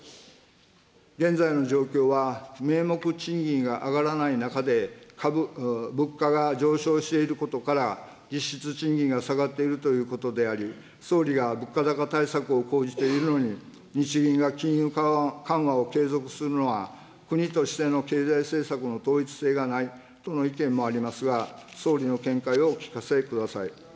現在の状況は、名目賃金が上がらない中で、物価が上昇していることから実質賃金が下がっているということであり、総理が物価高対策を講じているのに、日銀が金融緩和を継続するのは国としての経済政策の統一性がないとの意見もありますが、総理の見解をお聞かせください。